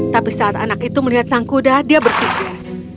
tapi saat anak itu melihat sang kuda dia berpikir